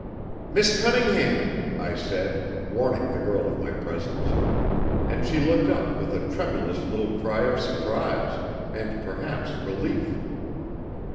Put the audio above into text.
"Miss Cunningham," I said, warning the girl of my presence; and she looked up with a tremulous little cry of surprise and perhaps relief.